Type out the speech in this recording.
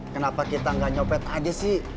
kenapa kita nggak nyopet aja sih